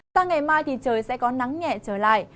sang ngày mai thì trời sẽ có nắng nhẹ trở lại